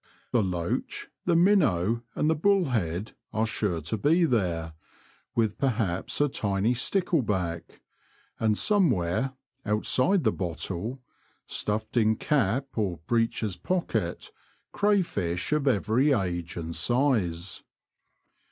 The loach, the minnow, and the bullhead are sure to be there, with perhaps a tiny stickle back, and somewhere, outside the bottle — stuffed in cap or breeches pocket — crayfish of every age and size.